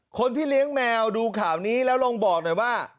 คนที่เลี้ยงแมวดูข่าวนี้แล้วลองบอกหน่อยว่า